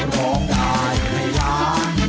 ร้องได้ให้ล้าน